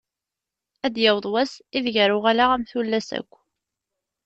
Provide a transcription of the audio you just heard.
Ad d-yaweḍ wass i deg ara uɣaleɣ am tullas akk.